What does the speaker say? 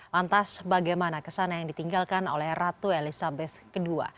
lantas bagaimana kesan yang ditinggalkan oleh ratu elisabeth ii